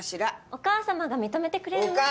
お母様が認めてくれるまでは。